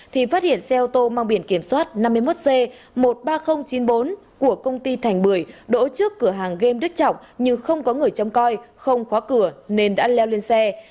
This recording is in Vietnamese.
thì phát hiện xe ô tô mang biển kiểm soát năm mươi một c một mươi ba nghìn chín mươi bốn của công ty thành bưởi đỗ trước cửa hàng game đức trọng nhưng không có người trông coi không khóa cửa nên đã leo lên xe